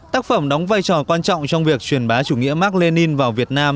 tác phẩm đóng vai trò quan trọng trong việc truyền bá chủ nghĩa mark lenin vào việt nam